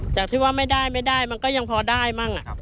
จากที่ว่าไม่ได้ไม่ได้มันก็ยังพอได้มั่ง